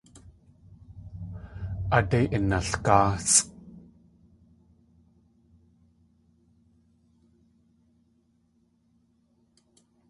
Aadé inalgáasʼ!